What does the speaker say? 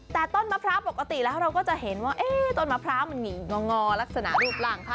แต่ต้นมะพร้าวปกติแล้วเราก็จะเห็นว่าต้นมะพร้าวมันหนี่งอลักษณะรูปร่างเขา